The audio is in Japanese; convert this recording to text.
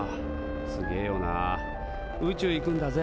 すげえよな宇宙行くんだぜあれ。